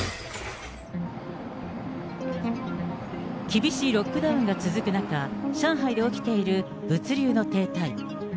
厳しいロックダウンが続く中、上海で起きている物流の停滞。